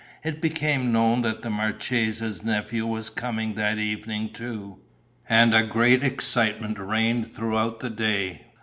It became known that the marchesa's nephew was coming that evening too; and a great excitement reigned throughout the day.